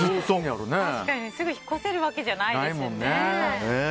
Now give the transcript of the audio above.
すぐ引っ越せるわけじゃないですもんね。